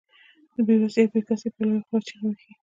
بې وسي او بې کسي يې په لويه خوله چيغې وهي.